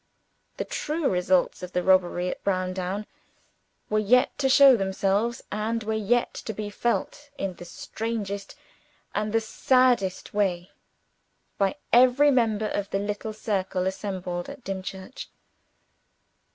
The true results of the robbery at Browndown were yet to show themselves, and were yet to be felt in the strangest and the saddest way by every member of the little circle assembled at Dimchurch.